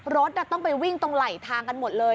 รถต้องไปวิ่งตรงไหลทางกันหมดเลย